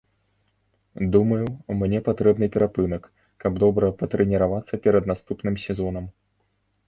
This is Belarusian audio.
Думаю, мне патрэбны перапынак, каб добра патрэніравацца перад наступным сезонам.